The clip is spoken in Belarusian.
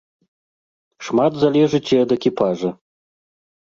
Шмат залежыць і ад экіпажа.